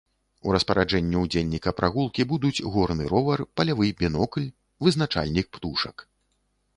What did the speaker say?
У распараджэнні ўдзельніка прагулкі будуць горны ровар, палявы бінокль, вызначальнік птушак.